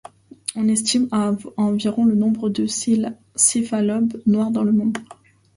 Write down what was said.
On estime à environ le nombre de céphalophes noirs dans le monde.